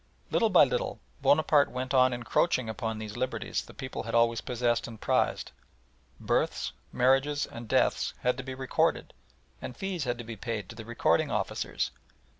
Little by little Bonaparte went on encroaching upon these liberties the people had always possessed and prized. Births, marriages, and deaths had to be recorded, and fees had to be paid to the recording officers.